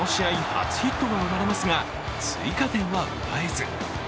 初ヒットが生まれますが追加点は奪えず。